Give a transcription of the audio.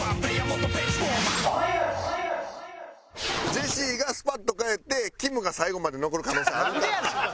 ジェシーがスパッと帰ってきむが最後まで残る可能性ある。